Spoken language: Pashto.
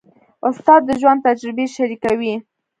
استاد د ژوند تجربې شریکوي.